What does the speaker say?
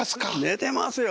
寝てますよ